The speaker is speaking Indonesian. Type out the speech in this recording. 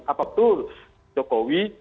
apakah itu jokowi